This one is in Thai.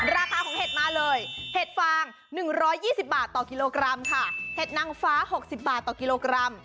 ราคาของเห็ดมาเลยเห็ดฟาง๑๒๐บาทต่อกิโลกรัมค่ะเห็ดนางฟ้า๖๐บาทต่อกิโลกรัม